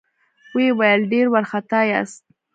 ويې ويل: ډېر وارخطا ياست؟